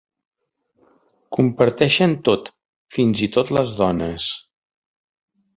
Comparteixen tot, fins i tot les dones.